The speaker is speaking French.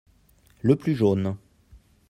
Le plus jaune.